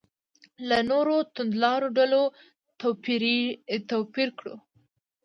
له نورو توندلارو ډلو توپیر کړو.